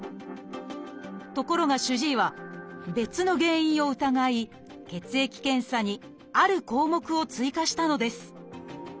ところが主治医は別の原因を疑い血液検査にある項目を追加したのです。